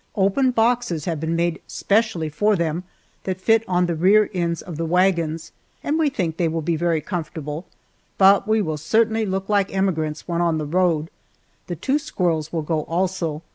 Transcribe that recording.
Open boxes have been made specially for them that fit on the rear ends of the wagons, and we think they will be very comfortable but we will certainly look like emigrants when on the road. The two squirrels will go also.